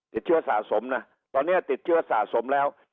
ติดเชื้อสะสมนะตอนนี้ติดเชื้อสะสมแล้ว